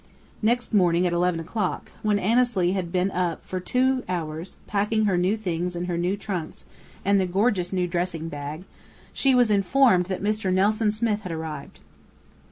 Next morning at eleven o'clock, when Annesley had been up for two hours, packing her new things in her new trunks and the gorgeous new dressing bag, she was informed that Mr. Nelson Smith had arrived.